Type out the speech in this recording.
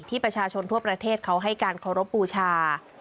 ประชาชนทั่วประเทศเขาให้การเคารพบูชา